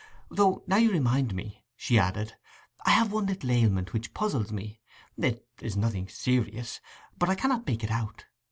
'Though, now you remind me,' she added, 'I have one little ailment which puzzles me. It is nothing serious, but I cannot make it out.